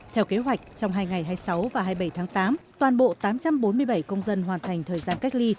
theo kế hoạch trong hai ngày hai mươi sáu và hai mươi bảy tháng tám toàn bộ tám trăm bốn mươi bảy công dân hoàn thành thời gian cách ly